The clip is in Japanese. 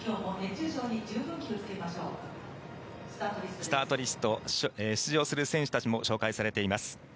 スタートリスト出場する選手たちも紹介されています。